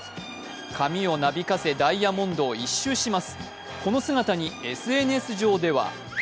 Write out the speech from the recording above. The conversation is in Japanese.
髪をなびかせダイヤモンドを１周します。